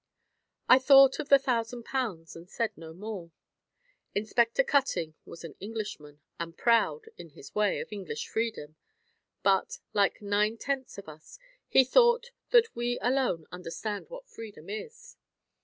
I thought of the thousand pounds, and said no more. Inspector Cutting was an Englishman, and proud, in his way, of English freedom. But, like nine tenths of us, he thought that we alone understand what freedom is.